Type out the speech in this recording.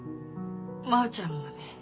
真央ちゃんもね。